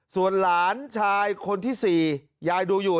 ส่วนหลานชายคนที่๔ยายดูอยู่